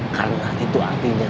karena itu artinya